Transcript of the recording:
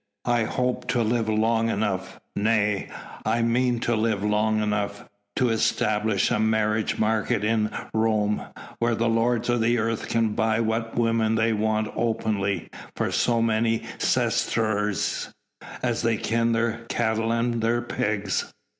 I hope to live long enough nay! I mean to live long enough to establish a marriage market in Rome, where the lords of the earth can buy what women they want openly, for so many sesterces, as they can their cattle and their pigs."